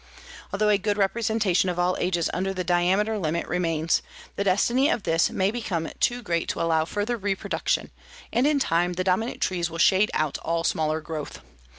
Although a good representation of all ages under the diameter limit remains, the density of this may become too great to allow further reproduction, and in time the dominant trees will shade out all smaller growth.